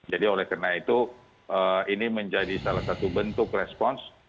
jadi oleh karena itu ini menjadi salah satu bentuk respons